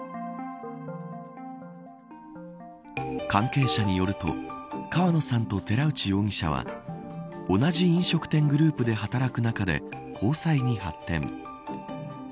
関係者によると川野さんと寺内容疑者は同じ飲食店グループで働く中で交際に発展。